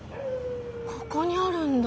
ここにあるんだ。